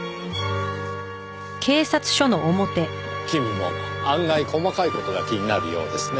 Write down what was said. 君も案外細かい事が気になるようですね。